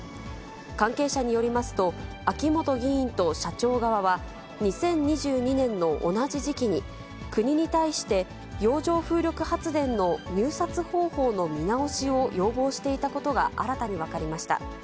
関係者によりますと、秋本議員と社長側は、２０２２年の同じ時期に、国に対して洋上風力発電の入札方法の見直しを要望していたことが新たに分かりました。